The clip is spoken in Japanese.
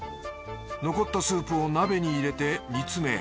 残ったスープを鍋に入れて煮詰め